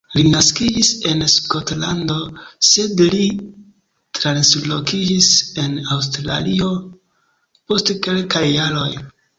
Li naskiĝis en Skotlando sed li translokiĝis al Aŭstralio post kelkaj jaroj.